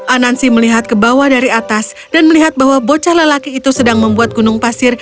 anansi melihat ke bawah dari atas dan melihat bahwa bocah lelaki itu sedang membuat gunung pasir